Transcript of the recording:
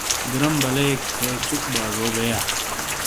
دیرُم بلئیک تھے چُک بو ازو بےیا ۔۔